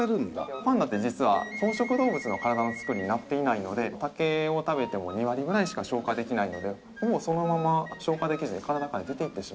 パンダって実は草食動物の体のつくりになっていないので竹を食べても２割ぐらいしか消化できないのでほぼそのまま消化できずに体から出ていってしまうんです。